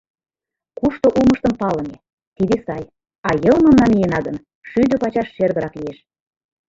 Кушто улмыштым палыме — тиде сай, а «йылмым» намиена гын, шӱдӧ пачаш шергырак лиеш.